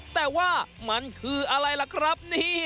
แต่ว่ามันคืออะไรล่ะครับนี่